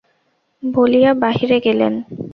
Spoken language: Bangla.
বলিয়া বাহিরে গেলেন।